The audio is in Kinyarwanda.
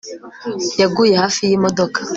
Yaguye hafi yimodoka